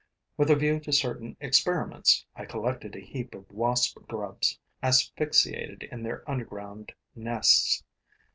With a view to certain experiments, I collected a heap of wasp grubs, asphyxiated in their underground nests.